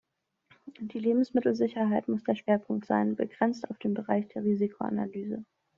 Die Lebensmittelsicherheit muss der Schwerpunkt sein, begrenzt auf den Bereich der Risikoanalyse.